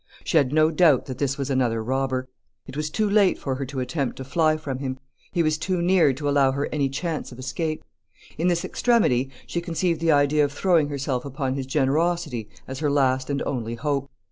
She had no doubt that this was another robber. It was too late for her to attempt to fly from him. He was too near to allow her any chance of escape. In this extremity, she conceived the idea of throwing herself upon his generosity as her last and only hope.